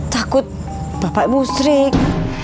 takut bapak musrik